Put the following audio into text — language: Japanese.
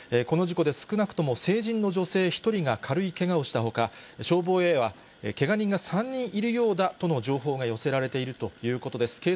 この事故で少なくとも成人の女性１人が軽いけがをしたほか、消防へはけが人が３人がいるようだという情報が寄せられているということです。